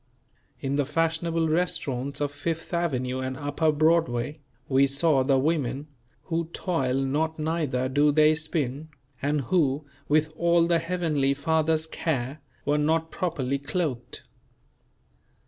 In the fashionable restaurants of Fifth Avenue and Upper Broadway, we saw the women "who toil not neither do they spin," and who, with all the Heavenly Father's care, were not properly clothed.